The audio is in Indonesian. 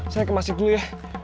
saya kemasin dulu ya